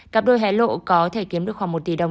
cặp đôi hé lộ có thể kiếm được khoảng một tỷ đồng